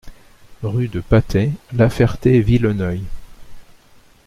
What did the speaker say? Rue de Patay, La Ferté-Villeneuil